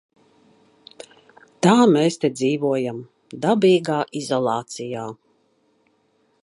Tā mēs te dzīvojam - dabīgā izolācijā.